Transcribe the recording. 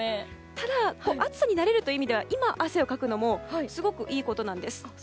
ただ暑さに慣れるという意味では今、汗をかくのもすごくいいことなんです。